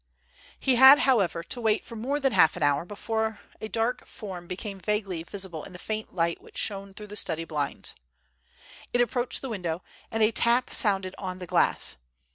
He had, however, to wait for more than half an hour before a dark form became vaguely visible in the faint light which shone through the study blinds. It approached the window, and a tap sounded on the glass.